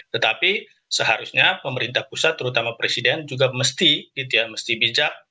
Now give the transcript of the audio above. tetapi seharusnya pemerintah pusat terutama presiden juga mesti bijak